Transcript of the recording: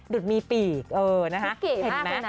ดุดมีปีกนะคะเห็นไหม